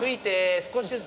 少しずつ。